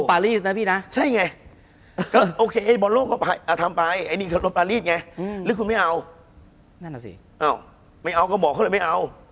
อ้าวไม่เอาก็บอกเขาเลยไม่เอา